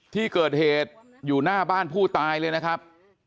ที่เกิดเหตุอยู่หน้าบ้านผู้ตายเลยนะครับ